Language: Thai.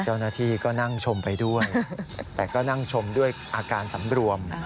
เจ้าหน้าที่ก็นั่งชมไปด้วยแต่ก็นั่งชมด้วยอาการสำรวม